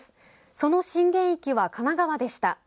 その震源域は神奈川でした。